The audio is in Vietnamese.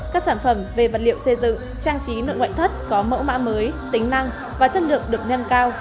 các sản phẩm về vật liệu xây dựng trang trí nội ngoại thất có mẫu mã mới tính năng và chất lượng được nâng cao